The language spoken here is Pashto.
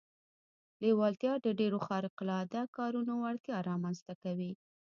لېوالتیا د ډېرو خارق العاده کارونو وړتیا رامنځته کوي